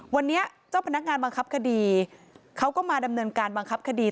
วันนี้เจ้าพนักงานบังคับคดีเขาก็มาดำเนินการบังคับคดี